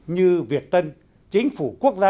như việt tân chính phủ quốc gia